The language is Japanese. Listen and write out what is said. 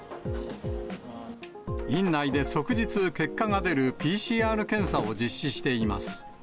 院内で即日結果が出るＰＣＲ検査を実施しています。